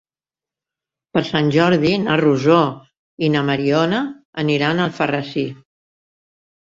Per Sant Jordi na Rosó i na Mariona aniran a Alfarrasí.